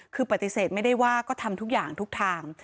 คือปฏิเสธไม่ได้ว่าก็ทำทุกอย่างทุกทาง